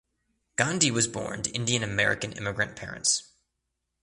Gandhi was born to Indian American immigrant parents.